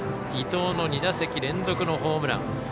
伊藤の２打席連続のホームラン。